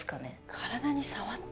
体に触った？